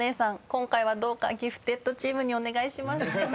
今回はどうかギフテッドチームにお願いします。